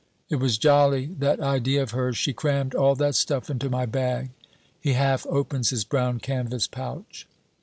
It was jolly, that idea of hers. She crammed all that stuff into my bag " He half opens his brown canvas pouch.